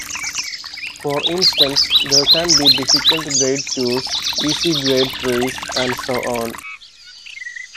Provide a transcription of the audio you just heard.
For instance, there can be difficult grade twos, easy grade threes, and so on.